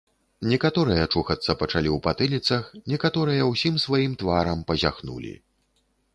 Некаторыя чухацца пачалі ў патыліцах, некаторыя ўсім сваім тварам пазяхнулі.